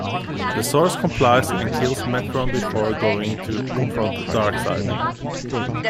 The Source complies, and kills Metron before going to confront Darkseid.